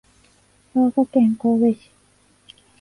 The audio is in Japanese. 兵庫県神戸市